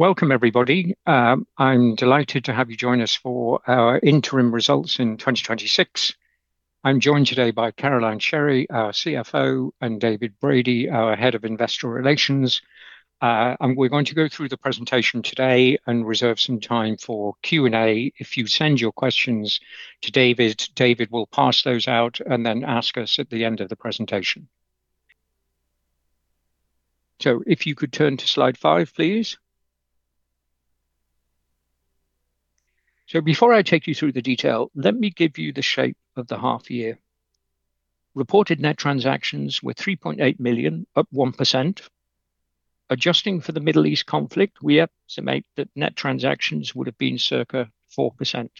Welcome, everybody. I am delighted to have you join us for our interim results in 2026. I am joined today by Caroline Sherry, our CFO, and David Brady, our Head of Investor Relations. We are going to go through the presentation today and reserve some time for Q&A. If you send your questions to David will pass those out and then ask us at the end of the presentation. If you could turn to slide five, please. Before I take you through the detail, let me give you the shape of the half year. Reported net transactions were 3.8 million, up 1%. Adjusting for the Middle East conflict, we estimate that net transactions would have been circa 4%.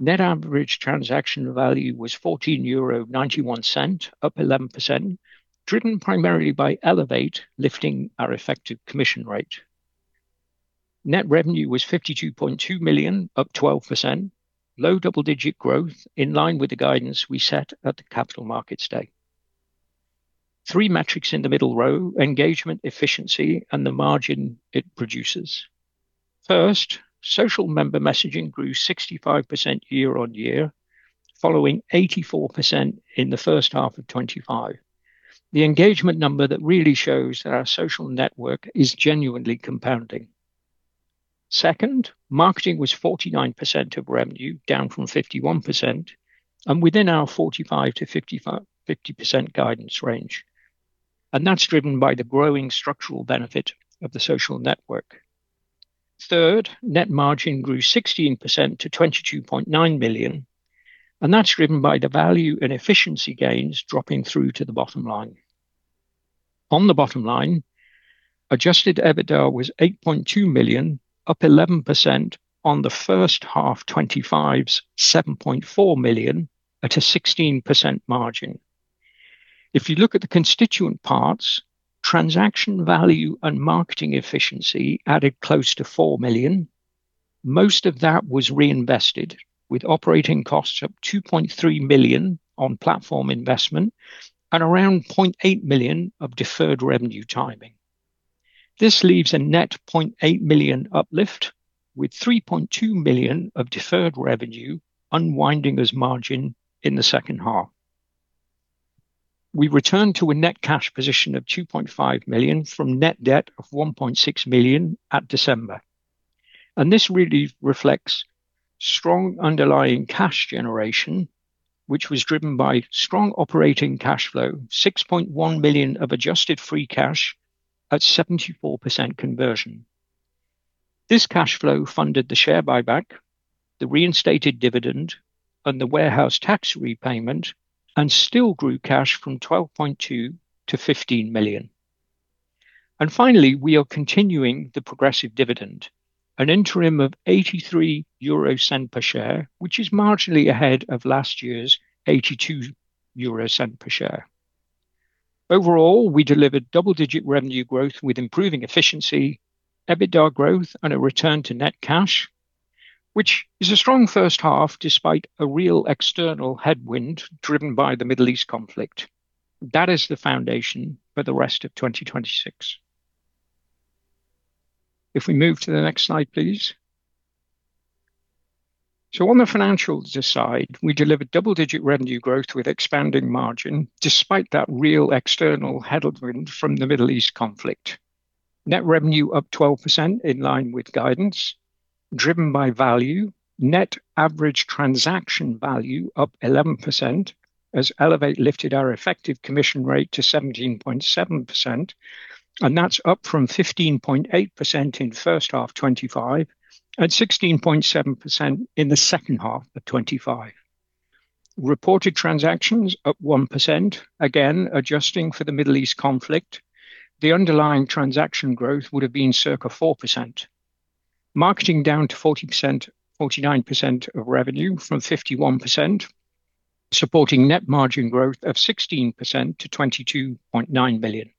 Net average transaction value was 14.91 euro, up 11%, driven primarily by Elevate lifting our effective commission rate. Net revenue was 52.2 million, up 12%, low double-digit growth in line with the guidance we set at the Capital Markets Day. Three metrics in the middle row, engagement, efficiency, and the margin it produces. First, social member messaging grew 65% year-over-year, following 84% in the first half of 2025. The engagement number that really shows that our social network is genuinely compounding. Second, marketing was 49% of revenue, down from 51%, and within our 45%-50% guidance range. That is driven by the growing structural benefit of the social network. Third, net margin grew 16% to 22.9 million. That is driven by the value and efficiency gains dropping through to the bottom line. On the bottom line, adjusted EBITDA was 8.2 million, up 11% on the first half 2025's 7.4 million at a 16% margin. If you look at the constituent parts, transaction value and marketing efficiency added close to 4 million. Most of that was reinvested with operating costs up 2.3 million on platform investment and around 800,000 of deferred revenue timing. This leaves a net 800,000 uplift with 3.2 million of deferred revenue unwinding as margin in the second half. We returned to a net cash position of 2.5 million from net debt of 1.6 million at December. This really reflects strong underlying cash generation, which was driven by strong operating cash flow, 6.1 million of adjusted free cash at 74% conversion. This cash flow funded the share buyback, the reinstated dividend, and the warehouse tax repayment, and still grew cash from 12.2 million-15 million. Finally, we are continuing the progressive dividend, an interim of 0.83 per share, which is marginally ahead of last year's 0.82 per share. Overall, we delivered double-digit revenue growth with improving efficiency, EBITDA growth, and a return to net cash, which is a strong first half despite a real external headwind driven by the Middle East conflict. That is the foundation for the rest of 2026. If we move to the next slide, please. On the financials side, we delivered double-digit revenue growth with expanding margin, despite that real external headwind from the Middle East conflict. Net revenue up 12% in line with guidance driven by value. Net average transaction value up 11% as Elevate lifted our effective commission rate to 17.7%, and that is up from 15.8% in first half 2025 and 16.7% in the second half of 2025. Reported transactions up 1%, again, adjusting for the Middle East conflict. The underlying transaction growth would have been circa 4%. Marketing down to 49% of revenue from 51%, supporting net margin growth of 16% to 22.9 million.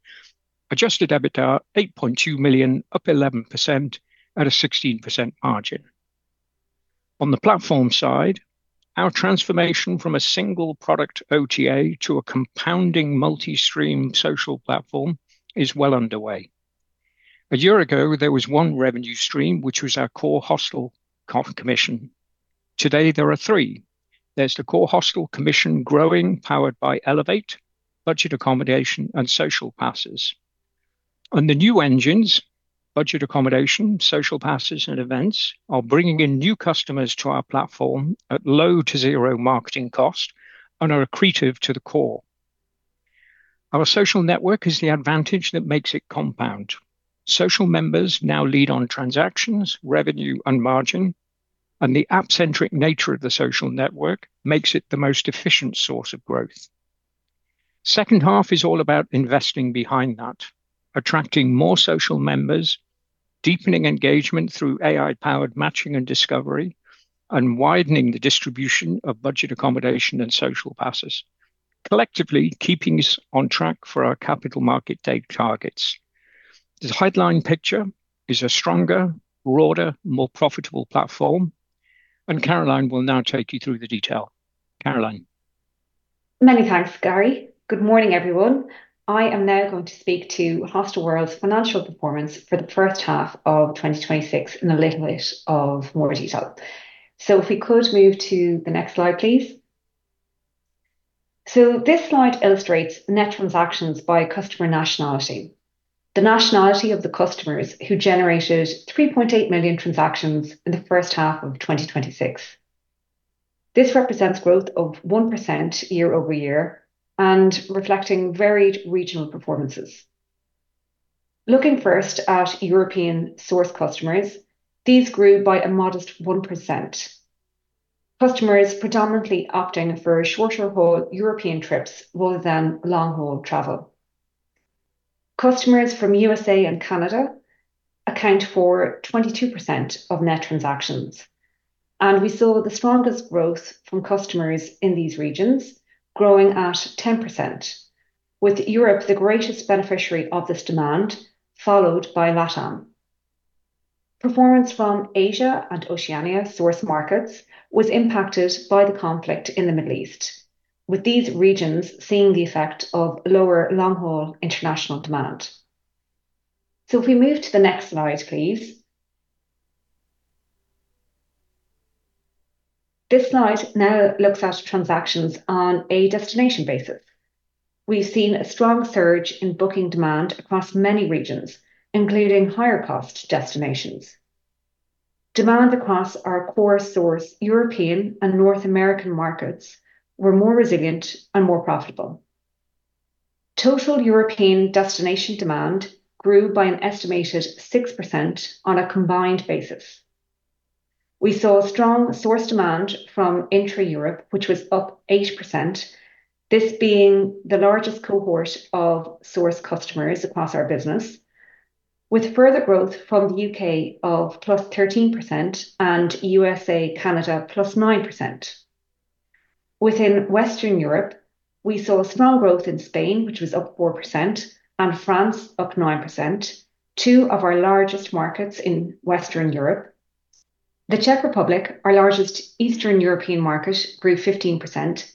Adjusted EBITDA 8.2 million, up 11% at a 16% margin. On the platform side, our transformation from a single product OTA to a compounding multi-stream social platform is well underway. A year ago, there was one revenue stream, which was our core hostel commission. Today, there are three. There's the core hostel commission growing powered by Elevate, budget accommodation, and Social Pass. The new engines, budget accommodation, Social Pass, and events are bringing in new customers to our platform at low to zero marketing cost and are accretive to the core. Our social network is the advantage that makes it compound. Social members now lead on transactions, revenue, and margin, and the app-centric nature of the social network makes it the most efficient source of growth. Second half is all about investing behind that, attracting more social members, deepening engagement through AI-powered matching and discovery, and widening the distribution of budget accommodation and Social Pass, collectively keeping us on track for our Capital Markets Day targets. The headline picture is a stronger, broader, more profitable platform, Caroline will now take you through the detail. Caroline? Many thanks, Gary. Good morning, everyone. I am now going to speak to Hostelworld's financial performance for the first half of 2026 in a little bit of more detail. If we could move to the next slide, please. This slide illustrates net transactions by customer nationality, the nationality of the customers who generated 3.8 million transactions in the first half of 2026. This represents growth of 1% year-over-year and reflecting varied regional performances. Looking first at European source customers, these grew by a modest 1%. Customers predominantly opting for shorter-haul European trips rather than long-haul travel. Customers from U.S.A. and Canada account for 22% of net transactions, and we saw the strongest growth from customers in these regions growing at 10%, with Europe the greatest beneficiary of this demand, followed by LATAM. Performance from Asia and Oceania source markets was impacted by the conflict in the Middle East, with these regions seeing the effect of lower long-haul international demand. If we move to the next slide, please. This slide now looks at transactions on a destination basis. We've seen a strong surge in booking demand across many regions, including higher cost destinations. Demand across our core source European and North American markets were more resilient and more profitable. Total European destination demand grew by an estimated 6% on a combined basis. We saw strong source demand from intra-Europe, which was up 8%, this being the largest cohort of source customers across our business, with further growth from the U.K. of +13% and U.S.A., Canada +9%. Within Western Europe, we saw strong growth in Spain, which was up 4% and France up 9%, two of our largest markets in Western Europe. The Czech Republic, our largest Eastern European market, grew 15%.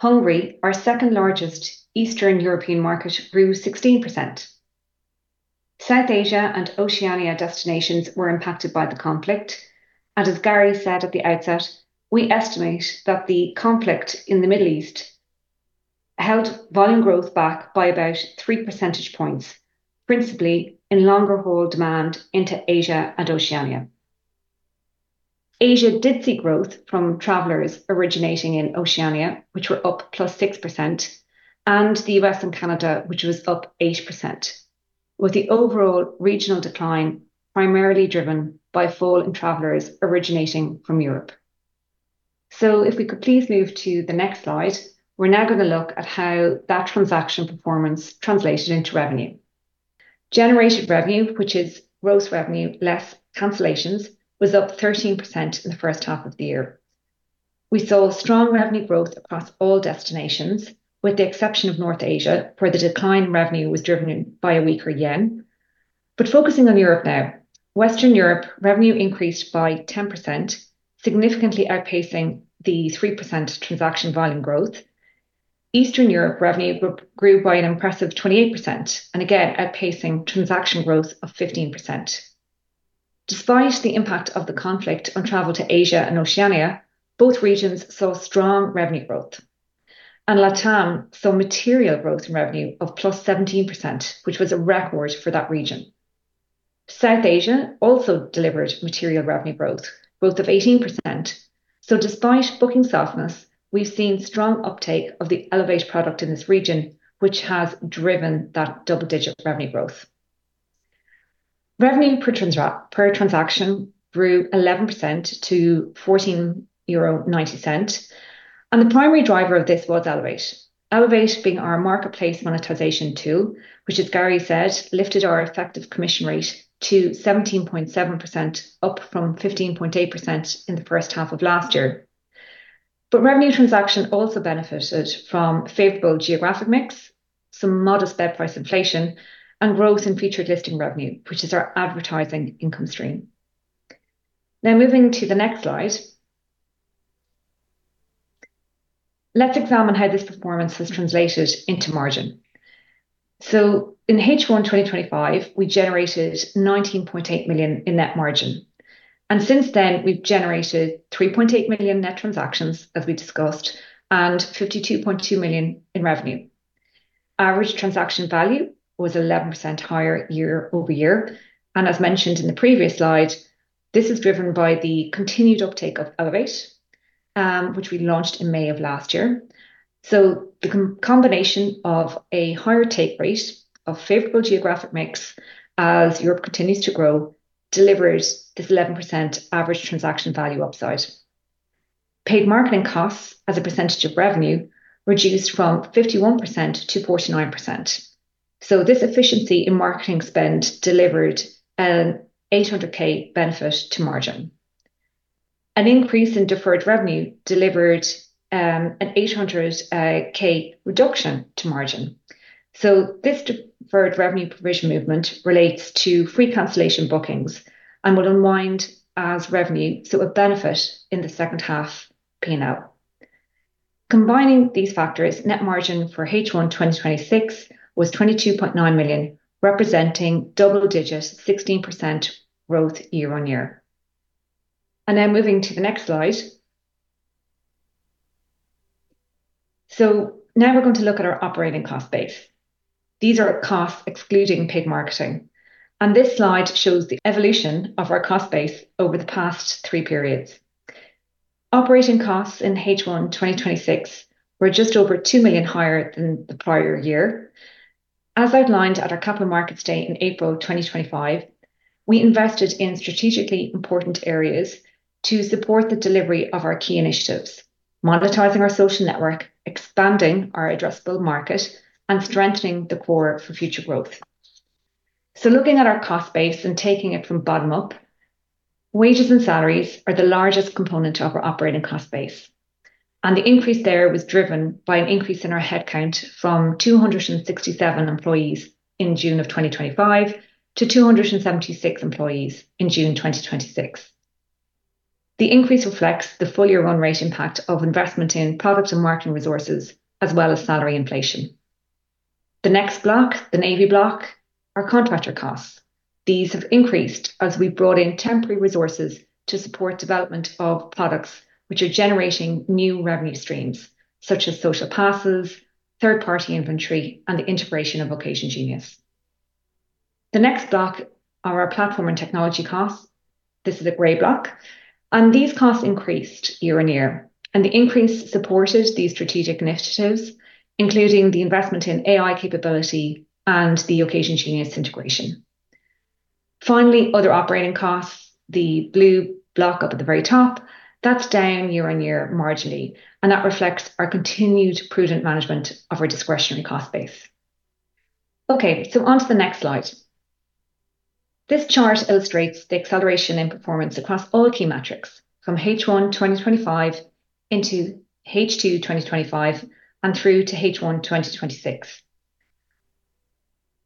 Hungary, our second largest Eastern European market, grew 16%. South Asia and Oceania destinations were impacted by the conflict. As Gary said at the outset, we estimate that the conflict in the Middle East held volume growth back by about three percentage points, principally in longer-haul demand into Asia and Oceania. Asia did see growth from travelers originating in Oceania, which were up +6%, and the U.S. and Canada, which was up 8%, with the overall regional decline primarily driven by fall in travelers originating from Europe. If we could please move to the next slide. We're now going to look at how that transaction performance translated into revenue. Generated revenue, which is gross revenue less cancellations, was up 13% in the first half of the year. We saw strong revenue growth across all destinations, with the exception of North Asia, where the decline in revenue was driven by a weaker yen. Focusing on Europe now, Western Europe revenue increased by 10%, significantly outpacing the 3% transaction volume growth. Eastern Europe revenue grew by an impressive 28%, and again outpacing transaction growth of 15%. Despite the impact of the conflict on travel to Asia and Oceania, both regions saw strong revenue growth, and LATAM saw material growth in revenue of +17%, which was a record for that region. South Asia also delivered material revenue growth of 18%. Despite booking softness, we've seen strong uptake of the Elevate product in this region, which has driven that double-digit revenue growth. Revenue per transaction grew 11% to 14.90 euro, the primary driver of this was Elevate. Elevate being our marketplace monetization tool, which, as Gary said, lifted our effective commission rate to 17.7%, up from 15.8% in the first half of last year. Revenue transaction also benefited from a favorable geographic mix, some modest bed price inflation, and growth in Featured Listings revenue, which is our advertising income stream. Moving to the next slide. Let's examine how this performance has translated into margin. In H1 2025, we generated 19.8 million in net margin, and since then we've generated 3.8 million net transactions, as we discussed, and 52.2 million in revenue. Average transaction value was 11% higher year-over-year. As mentioned in the previous slide, this is driven by the continued uptake of Elevate, which we launched in May of last year. The combination of a higher take rate of favorable geographic mix as Europe continues to grow delivered this 11% average transaction value upside. Paid marketing costs as a percentage of revenue reduced from 51%-49%. This efficiency in marketing spend delivered an 800,000 benefit to margin. An increase in deferred revenue delivered an 800,000 reduction to margin. This deferred revenue provision movement relates to free cancellation bookings and will unwind as revenue, a benefit in the second half P&L. Combining these factors, net margin for H1 2026 was EUR 22.9 million, rdpresenting double-digit, 16% growth year-on-year. Moving to the next slide. Now we're going to look at our operating cost base. These are costs excluding paid marketing, and this slide shows the evolution of our cost base over the past three periods. Operating costs in H1 2026 were just over 2 million higher than the prior year. As outlined at our Capital Markets Day in April 2025, we invested in strategically important areas to support the delivery of our key initiatives, monetizing our social network, expanding our addressable market, and strengthening the core for future growth. Looking at our cost base and taking it from bottom up, wages and salaries are the largest component of our operating cost base. The increase there was driven by an increase in our headcount from 267 employees in June of 2025 to 276 employees in June 2026. The increase reflects the full year on rate impact of investment in product and marketing resources, as well as salary inflation. The next block, the navy block, are contractor costs. These have increased as we brought in temporary resources to support development of products which are generating new revenue streams, such as Social Pass, 3P inventory, and the integration of OccasionGenius. The next block are our platform and technology costs. This is a gray block. These costs increased year-on-year. The increase supported these strategic initiatives, including the investment in AI capability and the OccasionGenius integration. Finally, other operating costs, the blue block up at the very top, that's down year-on-year marginally, and that reflects our continued prudent management of our discretionary cost base. On to the next slide. This chart illustrates the acceleration in performance across all key metrics from H1 2025 into H2 2025 and through to H1 2026.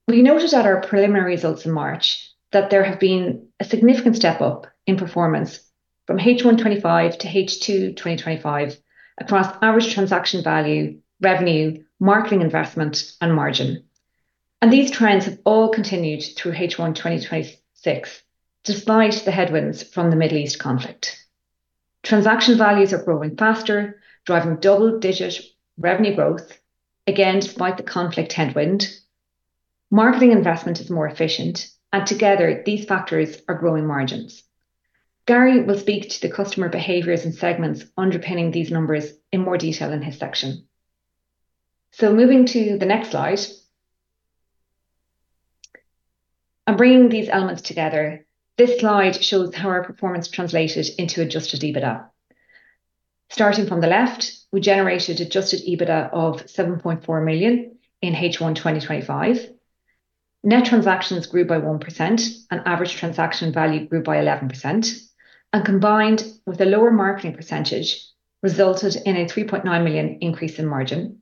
We noted at our preliminary results in March that there have been a significant step up in performance from H1 2025 to H2 2025 across average transaction value, revenue, marketing investment, and margin. These trends have all continued through H1 2026, despite the headwinds from the Middle East conflict. Transaction values are growing faster, driving double-digit revenue growth, again despite the conflict headwind. Marketing investment is more efficient, and together these factors are growing margins. Gary will speak to the customer behaviors and segments underpinning these numbers in more detail in his section. Moving to the next slide. Bringing these elements together, this slide shows how our performance translated into adjusted EBITDA. Starting from the left, we generated adjusted EBITDA of 7.4 million in H1 2025. Net transactions grew by 1%, and average transaction value grew by 11%. Combined with a lower marketing percentage, resulted in a 3.9 million increase in margin.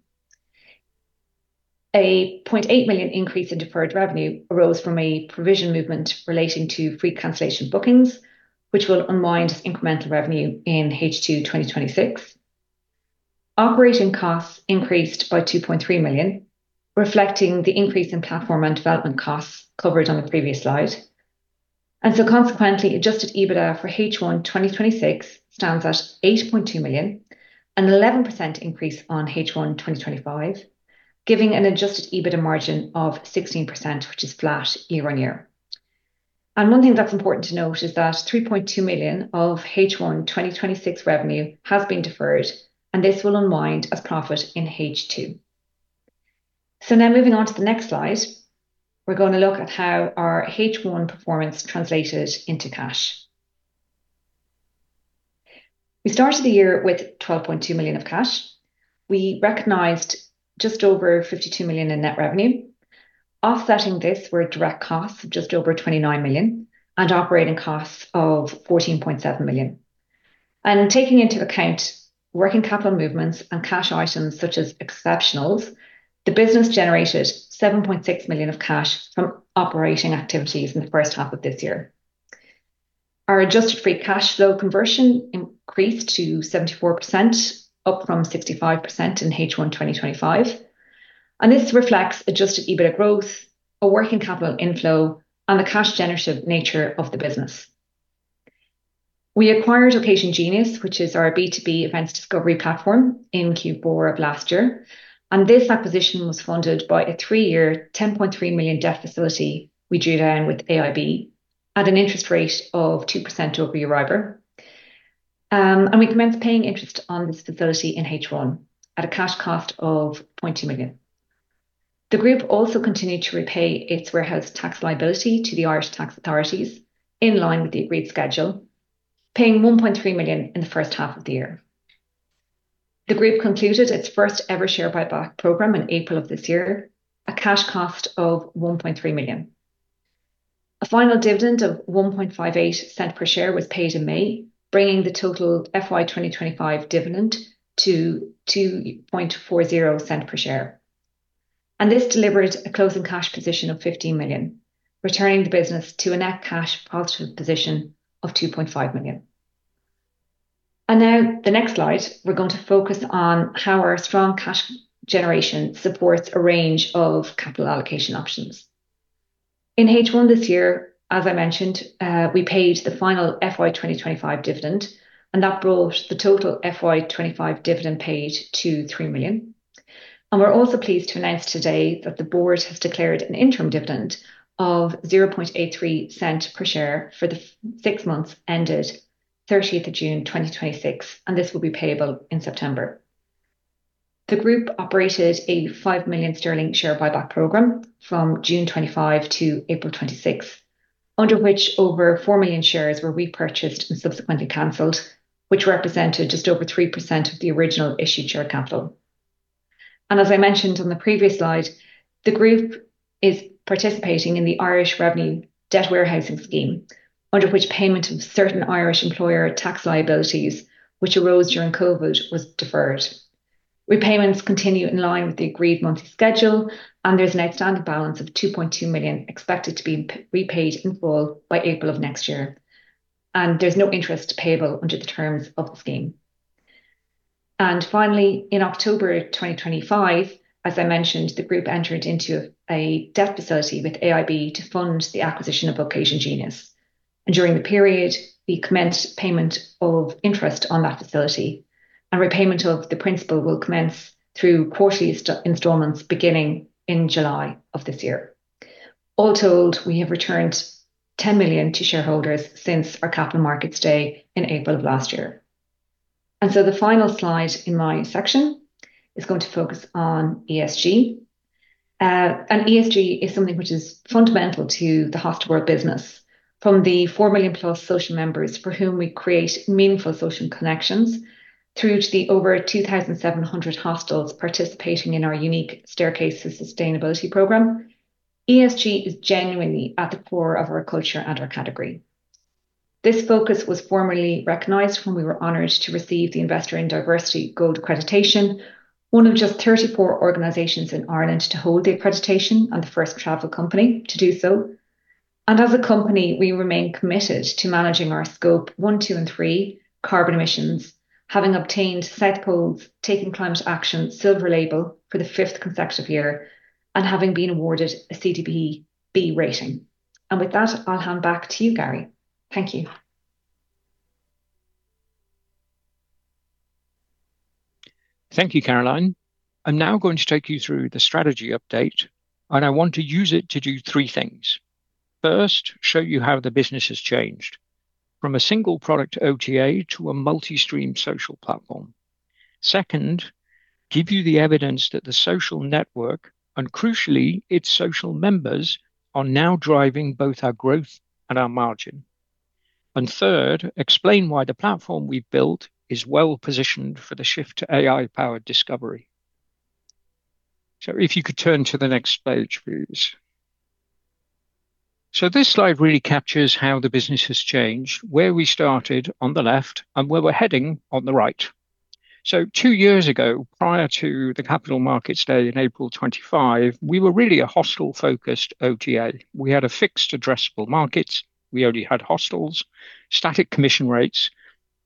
A 800,000 increase in deferred revenue arose from a provision movement relating to free cancellation bookings, which will unwind as incremental revenue in H2 2026. Operating costs increased by 2.3 million, reflecting the increase in platform and development costs covered on the previous slide. Consequently, adjusted EBITDA for H1 2026 stands at 8.2 million, an 11% increase on H1 2025, giving an adjusted EBITDA margin of 16%, which is flat year-on-year. One thing that's important to note is that 3.2 million of H1 2026 revenue has been deferred, and this will unwind as profit in H2. Moving on to the next slide, we're going to look at how our H1 performance translated into cash. We started the year with 12.2 million of cash. We recognized just over 52 million in net revenue. Offsetting this were direct costs of just over 29 million and operating costs of 14.7 million. Taking into account working capital movements and cash items such as exceptionals, the business generated 7.6 million of cash from operating activities in the first half of this year. Our adjusted free cash flow conversion increased to 74%, up from 65% in H1 2025. This reflects adjusted EBITDA growth, a working capital inflow, and the cash-generative nature of the business. We acquired OccasionGenius, which is our B2B events discovery platform, in Q4 of last year. This acquisition was funded by a three-year, 10.3 million debt facility we drew down with AIB at an interest rate of 2% over Euribor. We commenced paying interest on this facility in H1 at a cash cost of 200,000. The group also continued to repay its warehouse tax liability to the Irish Revenue Commissioners in line with the agreed schedule, paying 1.3 million in the first half of the year. The group concluded its first-ever share buyback program in April of this year, a cash cost of 1.3 million. A final dividend of 0.0158 per share was paid in May, bringing the total FY 2025 dividend to 0.0240 per share. This delivered a closing cash position of 15 million, returning the business to a net cash positive position of 2.5 million. Now the next slide, we're going to focus on how our strong cash generation supports a range of capital allocation options. In H1 this year, as I mentioned, we paid the final FY 2025 dividend, that brought the total FY 2025 dividend paid to 3 million. We're also pleased to announce today that the board has declared an interim dividend of 0.0083 per share for the six months ended 30th of June 2026, this will be payable in September. The group operated a 5 million sterling share buyback program from June 2025 to April 2026, under which over 4 million shares were repurchased and subsequently canceled, which represented just over 3% of the original issued share capital. As I mentioned on the previous slide, the group is participating in the Irish Revenue debt warehousing scheme, under which payment of certain Irish employer tax liabilities which arose during COVID was deferred. Repayments continue in line with the agreed monthly schedule, there's an outstanding balance of 2.2 million expected to be repaid in full by April of next year. There's no interest payable under the terms of the scheme. Finally, in October 2025, as I mentioned, the group entered into a debt facility with AIB to fund the acquisition of OccasionGenius. During the period, we commenced payment of interest on that facility, and repayment of the principal will commence through quarterly installments beginning in July of this year. All told, we have returned 10 million to shareholders since our Capital Markets Day in April of last year. The final slide in my section is going to focus on ESG. ESG is something which is fundamental to the Hostelworld business. From the 4 million plus social members for whom we create meaningful social connections, through to the over 2,700 hostels participating in our unique Staircase to Sustainability program, ESG is genuinely at the core of our culture and our category. This focus was formally recognized when we were honored to receive the Investors in Diversity Gold accreditation, one of just 34 organizations in Ireland to hold the accreditation and the first travel company to do so. As a company, we remain committed to managing our Scope 1, 2, and 3 carbon emissions, having obtained South Pole's Taking Climate Action Silver label for the fifth consecutive year, and having been awarded a CDP B rating. With that, I'll hand back to you, Gary. Thank you. Thank you, Caroline. I'm now going to take you through the strategy update, I want to use it to do three things. First, show you how the business has changed from a single product OTA to a multi-stream social platform. Second, give you the evidence that the social network, and crucially, its social members, are now driving both our growth and our margin. Third, explain why the platform we've built is well-positioned for the shift to AI-powered discovery. If you could turn to the next slide, please. This slide really captures how the business has changed, where we started on the left and where we're heading on the right. Two years ago, prior to the Capital Markets Day in April 2025, we were really a hostel-focused OTA. We had a fixed addressable market. We only had hostels, static commission rates,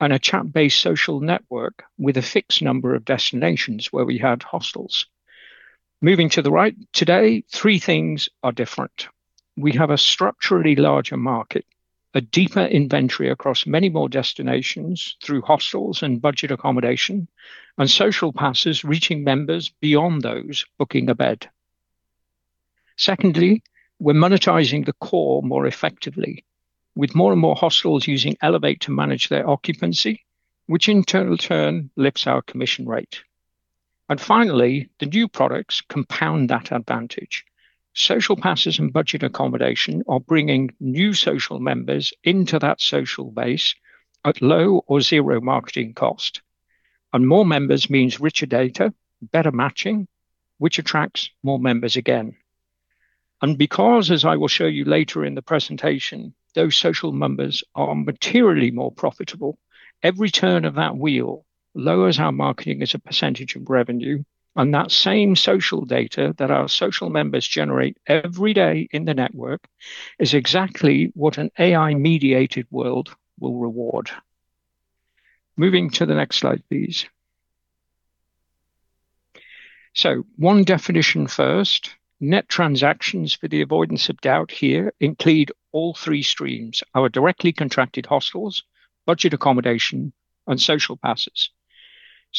and a chat-based social network with a fixed number of destinations where we had hostels. Moving to the right, today, three things are different. We have a structurally larger market, a deeper inventory across many more destinations through hostels and budget accommodation, and Social Pass reaching members beyond those booking a bed. Secondly, we're monetizing the core more effectively with more and more hostels using Elevate to manage their occupancy, which in turn lifts our commission rate. Finally, the new products compound that advantage. Social Pass and budget accommodation are bringing new social members into that social base at low or zero marketing cost. More members means richer data, better matching, which attracts more members again. Because, as I will show you later in the presentation, those social members are materially more profitable, every turn of that wheel lowers our marketing as a percentage of revenue, and that same social data that our social members generate every day in the network is exactly what an AI-mediated world will reward. Moving to the next slide, please. One definition first. Net transactions for the avoidance of doubt here include all three streams, our directly contracted hostels, budget accommodation, and Social Pass.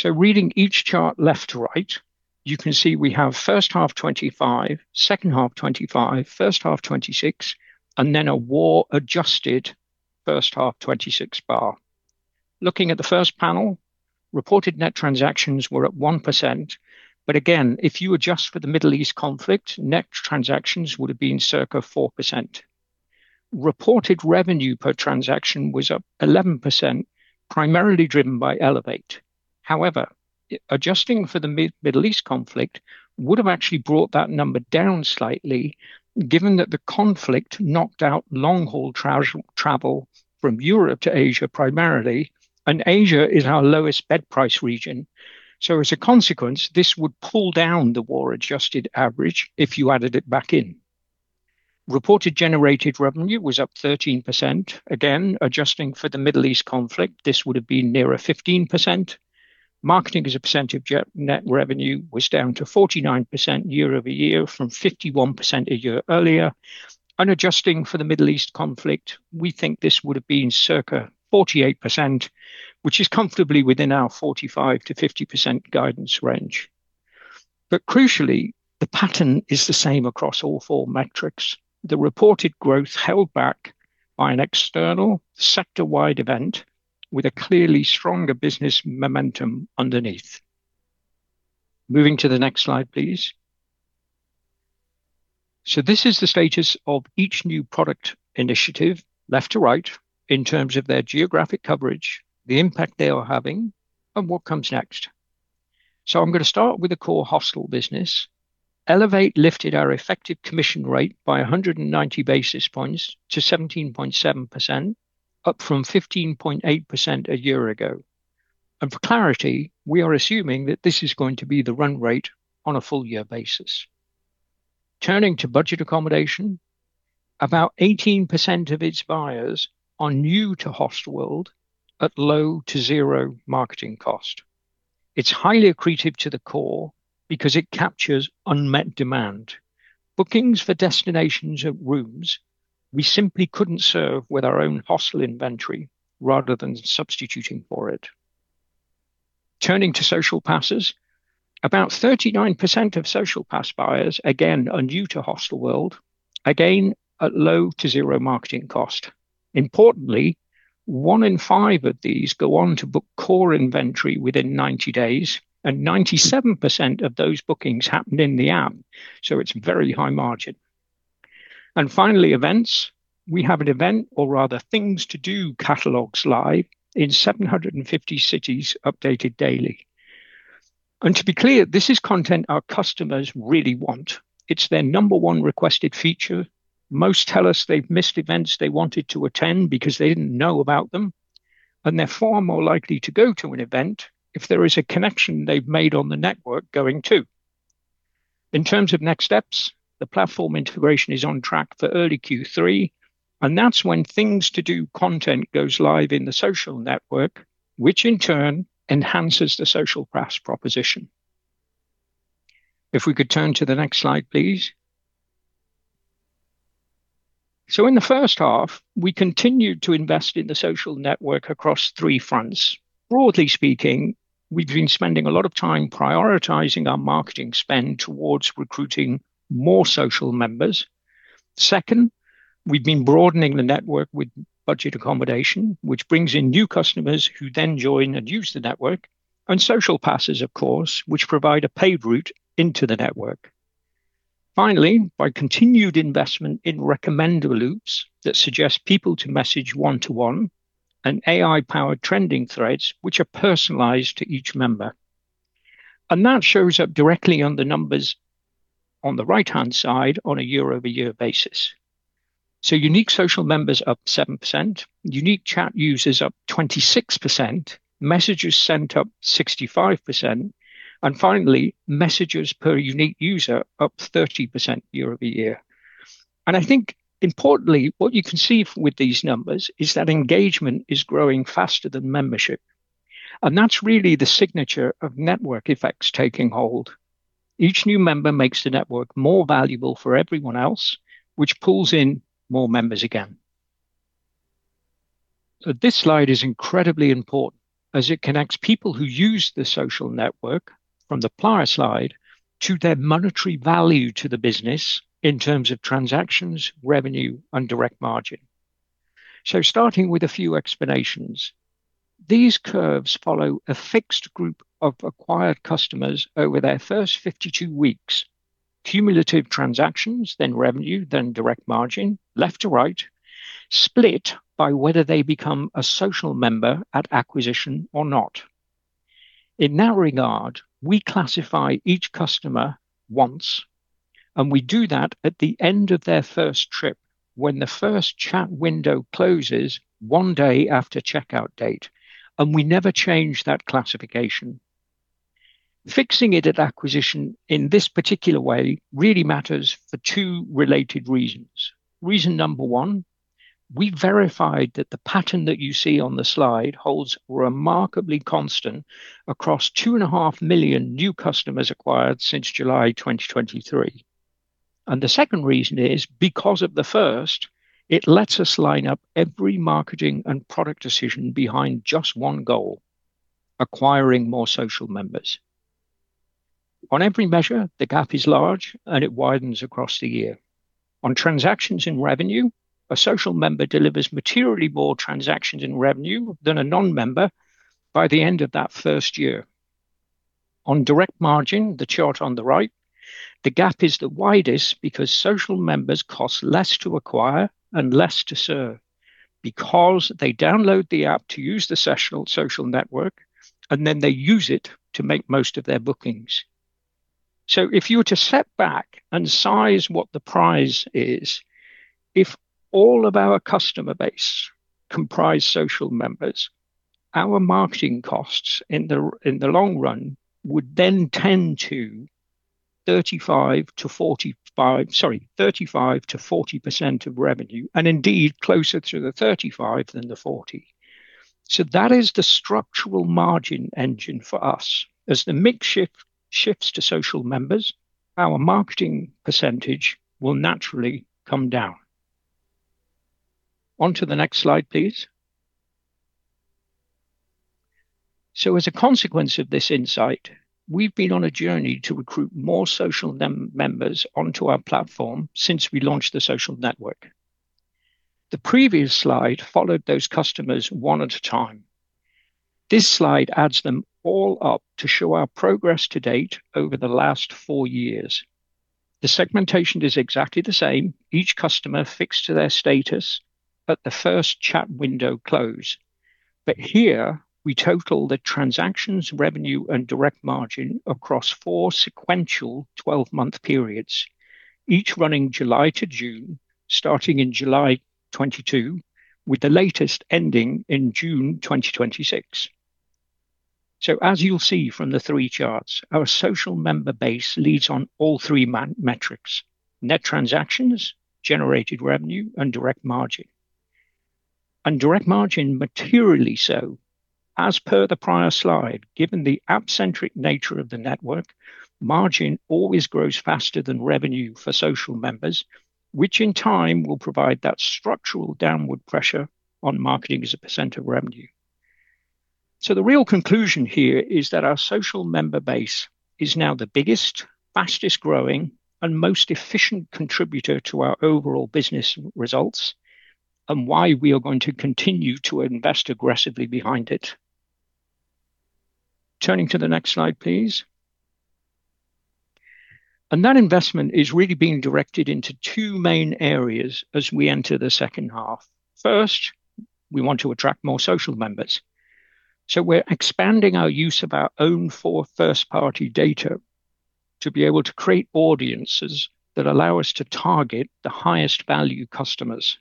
Reading each chart left to right, you can see we have first half 2025, second half 2025, first half 2026, and then a war-adjusted first half 2026 bar. Looking at the first panel, reported net transactions were up 1%, but again, if you adjust for the Middle East conflict, net transactions would have been circa 4%. Reported revenue per transaction was up 11%, primarily driven by Elevate. However, adjusting for the Middle East conflict would have actually brought that number down slightly, given that the conflict knocked out long-haul travel from Europe to Asia primarily, and Asia is our lowest bed price region. As a consequence, this would pull down the war-adjusted average if you added it back in. Reported generated revenue was up 13%. Again, adjusting for the Middle East conflict, this would've been nearer 15%. Marketing as a percentage of net revenue was down to 49% year-over-year from 51% a year earlier. Adjusting for the Middle East conflict, we think this would've been circa 48%, which is comfortably within our 45%-50% guidance range. Crucially, the pattern is the same across all four metrics. The reported growth held back by an external sector-wide event with a clearly stronger business momentum underneath. Moving to the next slide, please. This is the status of each new product initiative, left to right, in terms of their geographic coverage, the impact they are having, and what comes next. I'm going to start with the core hostel business. Elevate lifted our effective commission rate by 190 basis points to 17.7%, up from 15.8% a year ago. For clarity, we are assuming that this is going to be the run rate on a full year basis. Turning to budget accommodation, about 18% of its buyers are new to Hostelworld at low to zero marketing cost. It's highly accretive to the core because it captures unmet demand. Bookings for destinations of rooms we simply couldn't serve with our own hostel inventory rather than substituting for it. Turning to Social Pass, about 39% of Social Pass buyers, again, are new to Hostelworld, again, at low to zero marketing cost. Importantly, one in five of these go on to book core inventory within 90 days, and 97% of those bookings happened in the app, so it's very high margin. Finally, events. We have an event or rather things to do catalogs live in 750 cities updated daily. To be clear, this is content our customers really want. It's their number one requested feature. Most tell us they've missed events they wanted to attend because they didn't know about them, and they're far more likely to go to an event if there is a connection they've made on the network going too. In terms of next steps, the platform integration is on track for early Q3, and that's when things to do content goes live in the social network, which in turn enhances the Social Pass proposition. If we could turn to the next slide, please. In the first half, we continued to invest in the social network across three fronts. Broadly speaking, we've been spending a lot of time prioritizing our marketing spend towards recruiting more social members. Second, we've been broadening the network with budget accommodation, which brings in new customers who then join and use the network, and Social Pass, of course, which provide a paid route into the network. Finally, by continued investment in recommender loops that suggest people to message one-to-one and AI-powered trending threads which are personalized to each member. That shows up directly on the numbers on the right-hand side on a year-over-year basis. Unique social members up 7%, unique chat users up 26%, messages sent up 65%, and finally, messages per unique user up 30% year-over-year. I think importantly, what you can see with these numbers is that engagement is growing faster than membership, and that's really the signature of network effects taking hold. Each new member makes the network more valuable for everyone else, which pulls in more members again. This slide is incredibly important as it connects people who use the social network from the prior slide to their monetary value to the business in terms of transactions, revenue, and direct margin. Starting with a few explanations. These curves follow a fixed group of acquired customers over their first 52 weeks. Cumulative transactions, then revenue, then direct margin, left to right, split by whether they become a social member at acquisition or not. In that regard, we classify each customer once, and we do that at the end of their first trip when the first chat window closes one day after checkout date, and we never change that classification. Fixing it at acquisition in this particular way really matters for two related reasons. Reason number one, we verified that the pattern that you see on the slide holds remarkably constant across 2.5 million new customers acquired since July 2023. The second reason is because of the first, it lets us line up every marketing and product decision behind just one goal, acquiring more social members. On every measure, the gap is large, and it widens across the year. On transactions in revenue, a social member delivers materially more transactions in revenue than a non-member by the end of that first year. On direct margin, the chart on the right, the gap is the widest because social members cost less to acquire and less to serve because they download the app to use the social network, and then they use it to make most of their bookings. If you were to step back and size what the prize is, if all of our customer base comprised social members, our marketing costs in the long run would then tend to 35%-40% of revenue, and indeed closer to the 35% than the 40%. That is the structural margin engine for us. As the mix shifts to social members, our marketing percentage will naturally come down. On to the next slide, please. As a consequence of this insight, we've been on a journey to recruit more social members onto our platform since we launched the social network. The previous slide followed those customers one at a time. This slide adds them all up to show our progress to date over the last four years. The segmentation is exactly the same. Each customer fixed to their status at the first chat window close. But here we total the transactions, revenue and direct margin across four sequential 12-month periods, each running July to June, starting in July 2022, with the latest ending in June 2026. As you'll see from the three charts, our social member base leads on all three metrics. Net transactions, generated revenue, and direct margin. And direct margin materially so. As per the prior slide, given the app-centric nature of the network, margin always grows faster than revenue for social members, which in time will provide that structural downward pressure on marketing as a percent of revenue. The real conclusion here is that our social member base is now the biggest, fastest growing, and most efficient contributor to our overall business results, and why we are going to continue to invest aggressively behind it. Turning to the next slide, please. That investment is really being directed into two main areas as we enter the second half. First, we want to attract more social members. We're expanding our use of our own four first-party data to be able to create audiences that allow us to target the highest value customers.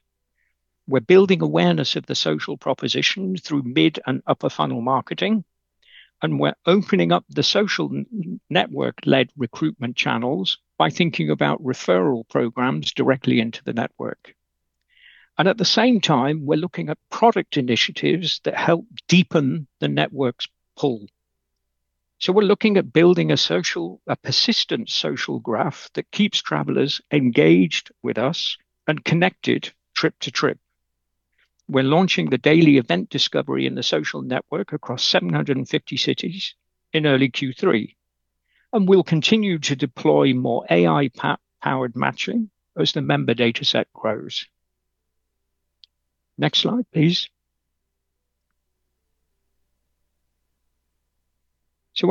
We're building awareness of the social proposition through mid and upper funnel marketing, we're opening up the social network-led recruitment channels by thinking about referral programs directly into the network. At the same time, we're looking at product initiatives that help deepen the network's pull. We're looking at building a persistent social graph that keeps travelers engaged with us and connected trip to trip. We're launching the daily event discovery in the social network across 750 cities in early Q3, we'll continue to deploy more AI-powered matching as the member dataset grows. Next slide, please.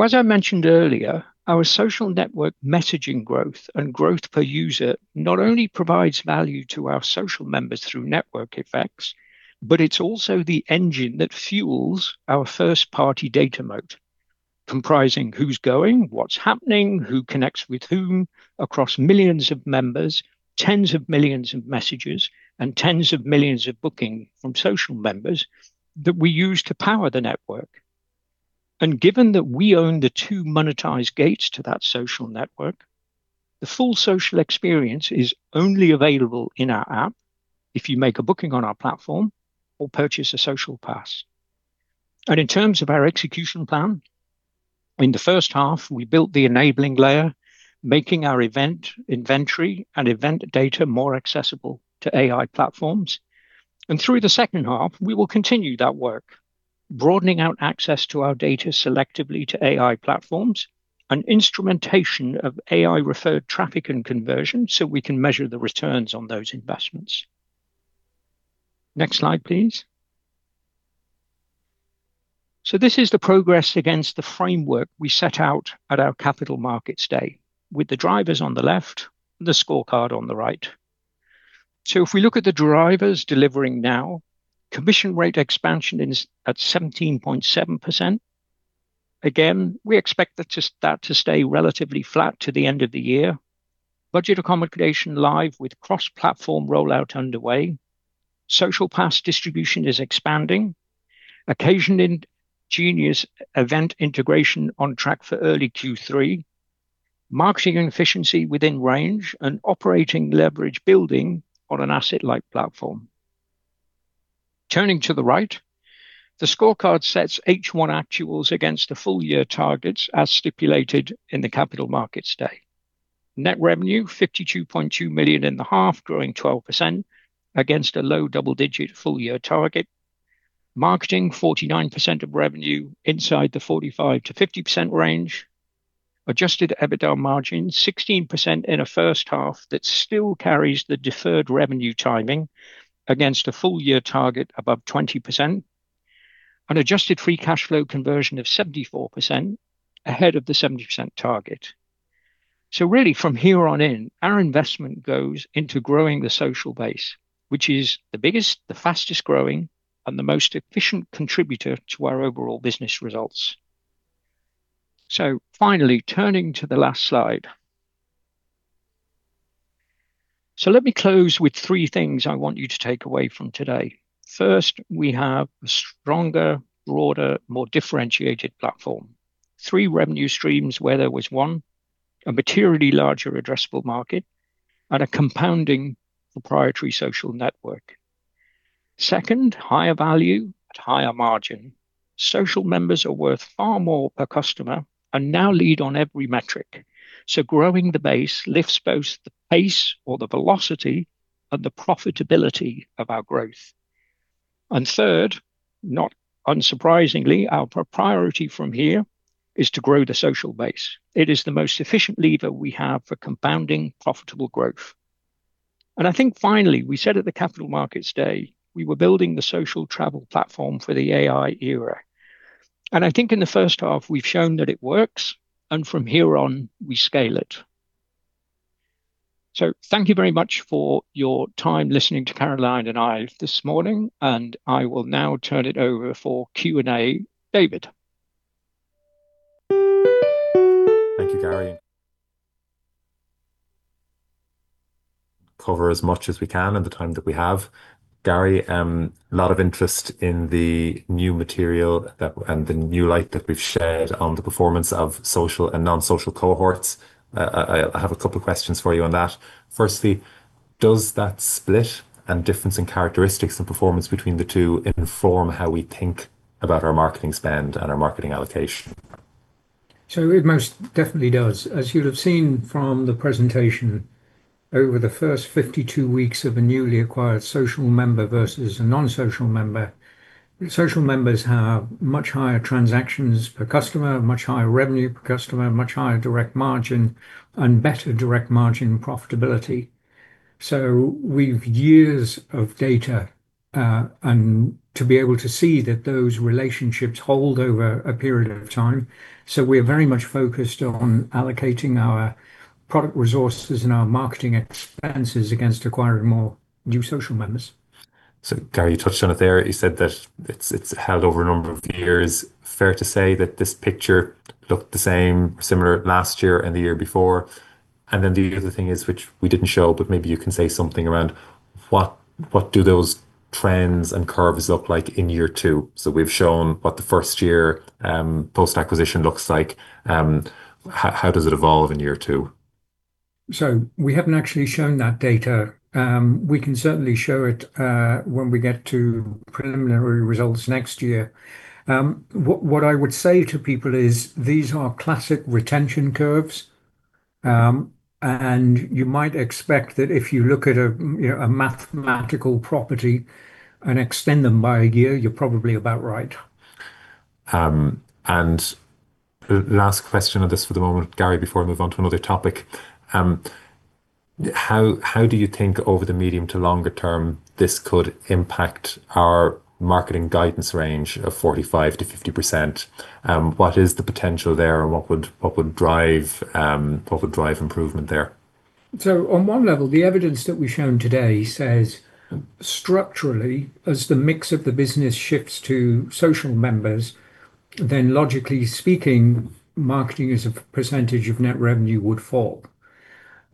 As I mentioned earlier, our social network messaging growth and growth per user not only provides value to our social members through network effects, but it's also the engine that fuels our first-party data moat, comprising who's going, what's happening, who connects with whom across millions of members, tens of millions of messages, and tens of millions of bookings from social members that we use to power the network. Given that we own the two monetized gates to that social network, the full social experience is only available in our app if you make a booking on our platform or purchase a Social Pass. In terms of our execution plan, in the first half, we built the enabling layer, making our event inventory and event data more accessible to AI platforms. Through the second half, we will continue that work, broadening out access to our data selectively to AI platforms and instrumentation of AI-referred traffic and conversion so we can measure the returns on those investments. Next slide, please. This is the progress against the framework we set out at our Capital Markets Day, with the drivers on the left, the scorecard on the right. If we look at the drivers delivering now, commission rate expansion is at 17.7%. Again, we expect that to stay relatively flat to the end of the year. budget accommodation live with cross-platform rollout underway. Social Pass distribution is expanding. OccasionGenius event integration on track for early Q3. Marketing efficiency within range and operating leverage building on an asset-like platform. Turning to the right, the scorecard sets H1 actuals against the full-year targets as stipulated in the Capital Markets Day. Net revenue 52.2 million in the half, growing 12% against a low double-digit full-year target. Marketing 49% of revenue inside the 45%-50% range. Adjusted EBITDA margin 16% in a first half that still carries the deferred revenue timing against a full-year target above 20%. An adjusted free cash flow conversion of 74%, ahead of the 70% target. Really from here on in, our investment goes into growing the social base, which is the biggest, the fastest-growing, and the most efficient contributor to our overall business results. Finally, turning to the last slide. Let me close with three things I want you to take away from today. First, we have a stronger, broader, more differentiated platform. Three revenue streams where there was one, a materially larger addressable market, and a compounding proprietary social network. Second, higher value at higher margin. Social members are worth far more per customer and now lead on every metric. Growing the base lifts both the pace or the velocity and the profitability of our growth. Third, not unsurprisingly, our priority from here is to grow the social base. It is the most efficient lever we have for compounding profitable growth. I think finally, we said at the Capital Markets Day, we were building the social travel platform for the AI era. I think in the first half we've shown that it works, and from here on, we scale it. Thank you very much for your time listening to Caroline and I this morning, and I will now turn it over for Q&A. David.? Thank you, Gary. Cover as much as we can in the time that we have. Gary, a lot of interest in the new material and the new light that we've shed on the performance of social and non-social cohorts. I have a couple questions for you on that. Firstly, does that split and difference in characteristics and performance between the two inform how we think about our marketing spend and our marketing allocation? It most definitely does. As you'll have seen from the presentation, over the first 52 weeks of a newly acquired social member versus a non-social member, social members have much higher transactions per customer, much higher revenue per customer, much higher direct margin, and better direct margin profitability. We've years of data, and to be able to see that those relationships hold over a period of time. We are very much focused on allocating our product resources and our marketing expenses against acquiring more new social members. Gary, you touched on it there. You said that it's held over a number of years. Fair to say that this picture looked the same or similar last year and the year before. The other thing is, which we didn't show, but maybe you can say something around what do those trends and curves look like in year two? We've shown what the first year, post-acquisition looks like. How does it evolve in year two? We haven't actually shown that data. We can certainly show it when we get to preliminary results next year. What I would say to people is these are classic retention curves. You might expect that if you look at a mathematical property and extend them by a year, you're probably about right. Last question on this for the moment, Gary, before I move on to another topic. How do you think over the medium to longer term this could impact our marketing guidance range of 45%-50%? What is the potential there and what would drive improvement there? On one level, the evidence that we've shown today says structurally, as the mix of the business shifts to social members, then logically speaking, marketing as a percentage of net revenue would fall.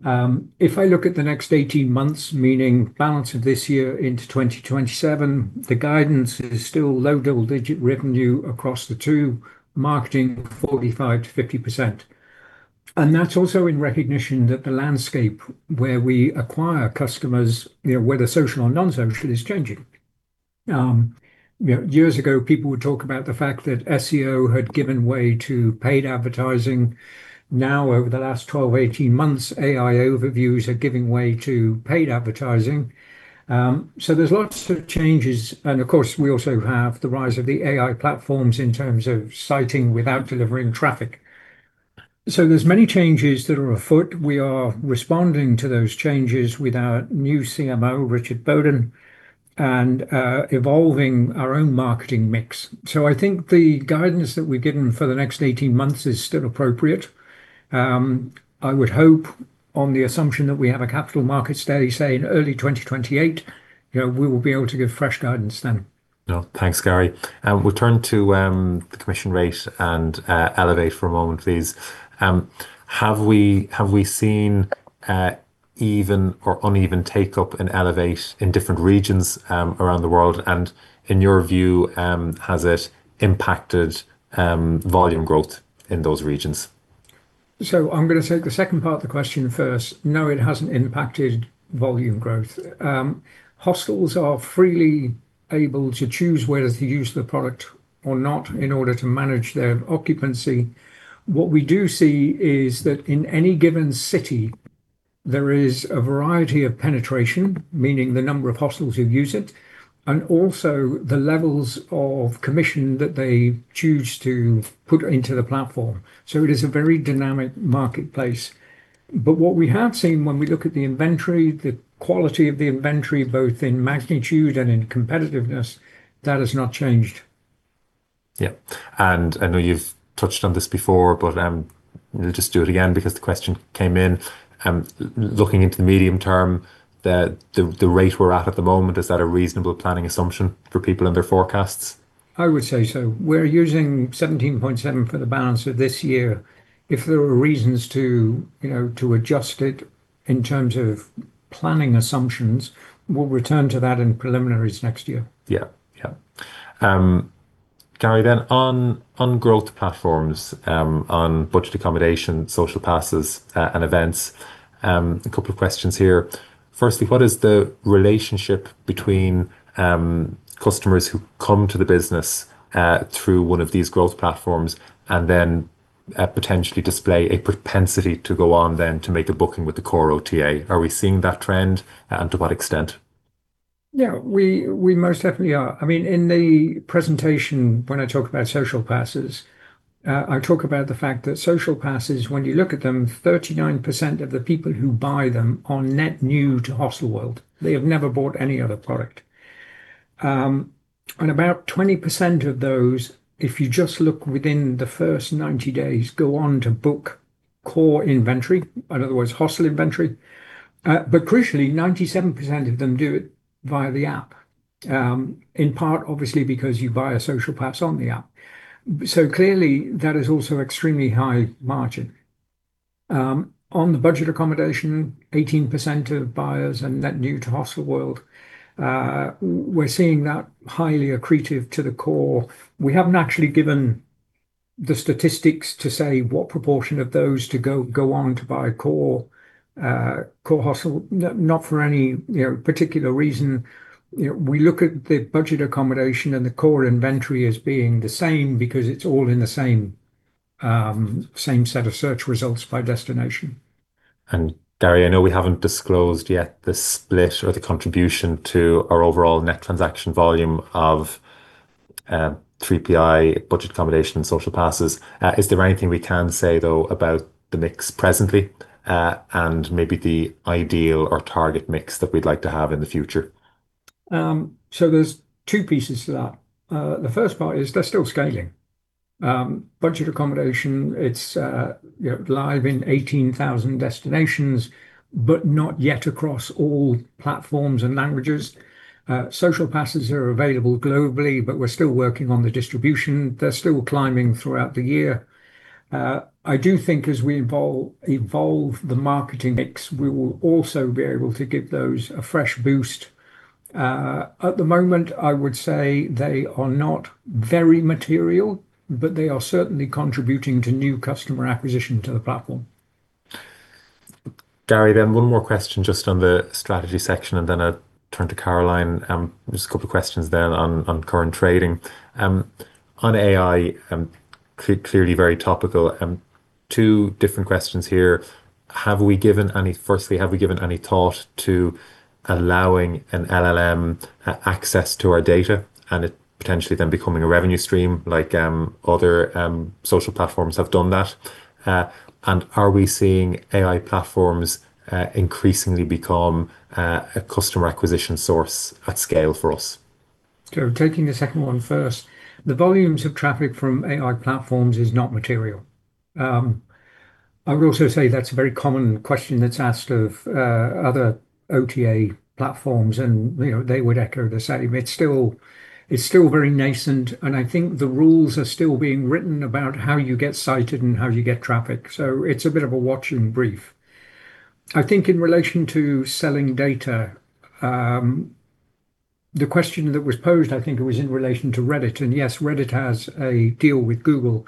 If I look at the next 18 months, meaning balance of this year into 2027, the guidance is still low double-digit revenue across the two, marketing 45%-50%. That's also in recognition that the landscape where we acquire customers, whether social or non-social, is changing. Years ago, people would talk about the fact that SEO had given way to paid advertising. Now over the last 12, 18 months, AI overviews are giving way to paid advertising. There's lots of changes, and of course, we also have the rise of the AI platforms in terms of citing without delivering traffic. There's many changes that are afoot. We are responding to those changes with our new CMO, Richard Bowden, and evolving our own marketing mix. I think the guidance that we've given for the next 18 months is still appropriate. I would hope on the assumption that we have a Capital Markets Day, say in early 2028, we will be able to give fresh guidance then. Thanks, Gary. We'll turn to the commission rate and Elevate for a moment, please. Have we seen even or uneven take-up in Elevate in different regions around the world? In your view, has it impacted volume growth in those regions? I'm going to take the second part of the question first. No, it hasn't impacted volume growth. Hostels are freely able to choose whether to use the product or not in order to manage their occupancy. What we do see is that in any given city, there is a variety of penetration, meaning the number of hostels who use it, and also the levels of commission that they choose to put into the platform. It is a very dynamic marketplace. What we have seen when we look at the inventory, the quality of the inventory, both in magnitude and in competitiveness, that has not changed. Yeah. I know you've touched on this before, we'll just do it again because the question came in. Looking into the medium term, the rate we're at the moment, is that a reasonable planning assumption for people in their forecasts? I would say so. We're using 17.7% for the balance of this year. If there are reasons to adjust it in terms of planning assumptions, we'll return to that in preliminaries next year. Gary, on growth platforms, on budget accommodation, Social Pass, and events, a couple of questions here. Firstly, what is the relationship between customers who come to the business through one of these growth platforms and then potentially display a propensity to go on then to make a booking with the core OTA? Are we seeing that trend? To what extent? We most definitely are. In the presentation, when I talk about Social Pass, I talk about the fact that Social Pass, when you look at them, 39% of the people who buy them are net new to Hostelworld. They have never bought any other product. About 20% of those, if you just look within the first 90 days, go on to book core inventory. In other words, hostel inventory. Crucially, 97% of them do it via the app. In part, obviously, because you buy a Social Pass on the app. Clearly, that is also extremely high margin. On the budget accommodation, 18% of buyers are net new to Hostelworld. We're seeing that highly accretive to the core. We haven't actually given the statistics to say what proportion of those go on to buy core hostel. Not for any particular reason. We look at the budget accommodation and the core inventory as being the same because it's all in the same set of search results by destination. Gary, I know we haven't disclosed yet the split or the contribution to our overall net transaction volume of 3PI budget accommodation and Social Passes. Is there anything we can say, though, about the mix presently? Maybe the ideal or target mix that we'd like to have in the future? There's two pieces to that. The first part is they're still scaling. Budget accommodation, it's live in 18,000 destinations, but not yet across all platforms and languages. Social Passes are available globally, but we're still working on the distribution. They're still climbing throughout the year. I do think as we evolve the marketing mix, we will also be able to give those a fresh boost. At the moment, I would say they are not very material, but they are certainly contributing to new customer acquisition to the platform. Gary, one more question just on the strategy section, and then I'll turn to Caroline. A couple of questions then on current trading. On AI, clearly very topical, two different questions here. Firstly, have we given any thought to allowing an LLM access to our data and it potentially then becoming a revenue stream like other social platforms have done that? Are we seeing AI platforms increasingly become a customer acquisition source at scale for us? Taking the second one first, the volumes of traffic from AI platforms is not material. I would also say that's a very common question that's asked of other OTA platforms, and they would echo the same. It's still very nascent, and I think the rules are still being written about how you get cited and how you get traffic. It's a bit of a watch and brief. I think in relation to selling data, the question that was posed, I think it was in relation to Reddit. Yes, Reddit has a deal with Google.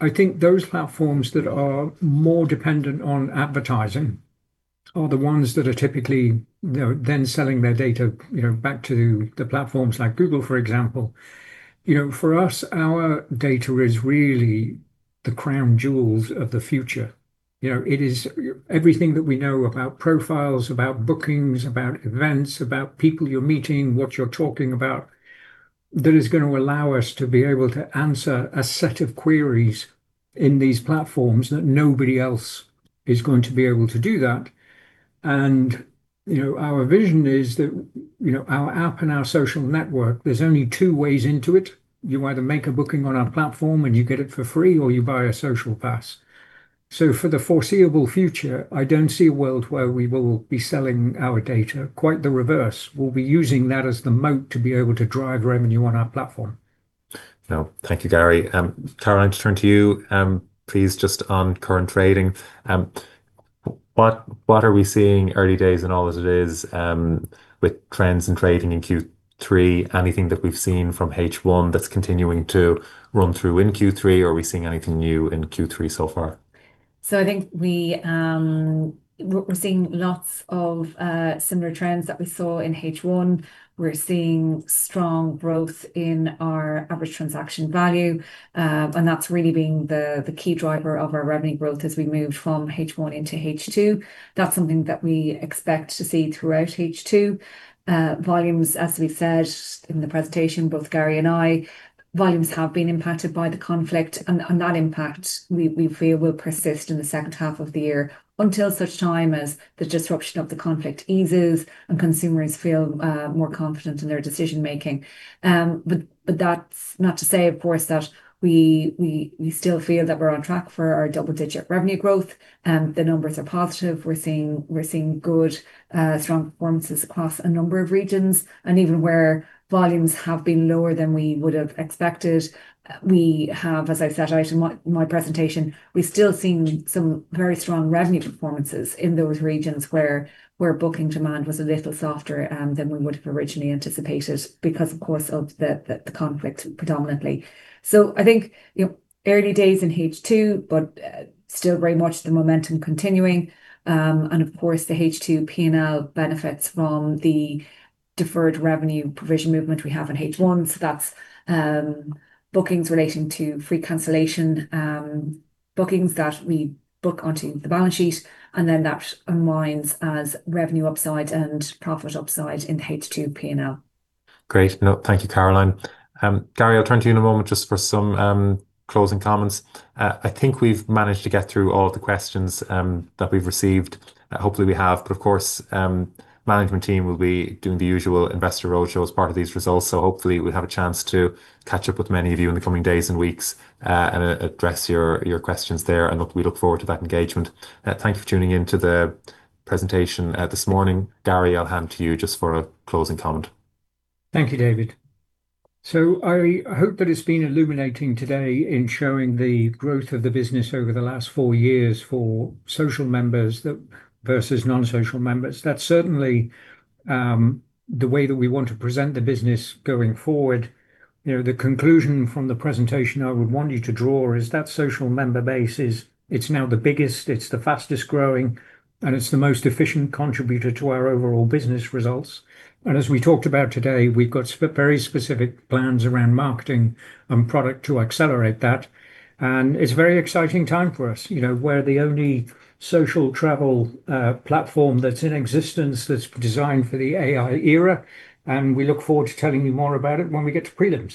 I think those platforms that are more dependent on advertising are the ones that are typically then selling their data back to the platforms like Google, for example. For us, our data is really the crown jewels of the future. It is everything that we know about profiles, about bookings, about events, about people you're meeting, what you're talking about, that is going to allow us to be able to answer a set of queries in these platforms that nobody else is going to be able to do that. Our vision is that our app and our social network, there's only two ways into it. You either make a booking on our platform and you get it for free, or you buy a Social Pass. For the foreseeable future, I don't see a world where we will be selling our data. Quite the reverse. We'll be using that as the moat to be able to drive revenue on our platform. No, thank you, Gary. Caroline, to turn to you, please just on current trading. What are we seeing, early days and all as it is, with trends and trading in Q3? Anything that we've seen from H1 that's continuing to run through in Q3, or are we seeing anything new in Q3 so far? I think we're seeing lots of similar trends that we saw in H1. We're seeing strong growth in our average transaction value, that's really been the key driver of our revenue growth as we moved from H1 into H2. That's something that we expect to see throughout H2. Volumes, as we said in the presentation, both Gary and I, volumes have been impacted by the conflict, and that impact we feel will persist in the second half of the year until such time as the disruption of the conflict eases and consumers feel more confident in their decision-making. That's not to say, of course, that we still feel that we're on track for our double-digit revenue growth. The numbers are positive. We're seeing good, strong performances across a number of regions, even where volumes have been lower than we would have expected, we have, as I set out in my presentation, we're still seeing some very strong revenue performances in those regions where booking demand was a little softer than we would have originally anticipated because, of course, of the conflict predominantly. I think early days in H2, still very much the momentum continuing. Of course, the H2 P&L benefits from the deferred revenue provision movement we have in H1. That's bookings relating to free cancellation bookings that we book onto the balance sheet, and then that unwinds as revenue upside and profit upside in the H2 P&L. Thank you, Caroline. Gary, I'll turn to you in a moment just for some closing comments. I think we've managed to get through all of the questions that we've received. Hopefully, we have. Of course, management team will be doing the usual investor roadshow as part of these results, so hopefully we'll have a chance to catch up with many of you in the coming days and weeks, and address your questions there. We look forward to that engagement. Thank you for tuning in to the presentation this morning. Gary, I'll hand to you just for a closing comment. Thank you, David. I hope that it's been illuminating today in showing the growth of the business over the last four years for social members versus non-social members. That's certainly the way that we want to present the business going forward. The conclusion from the presentation I would want you to draw is that social member base is now the biggest, it's the fastest-growing, and it's the most efficient contributor to our overall business results. As we talked about today, we've got very specific plans around marketing and product to accelerate that, and it's a very exciting time for us. We're the only social travel platform that's in existence that's designed for the AI era, and we look forward to telling you more about it when we get to prelims.